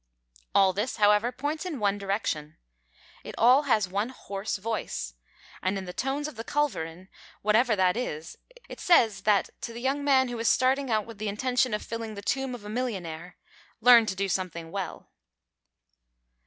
All this, however, points in one direction. It all has one hoarse voice, and in the tones of the culverin, whatever that is, it says that to the young man who is starting out with the intention of filling the tomb of a millionaire, "Learn to do something well."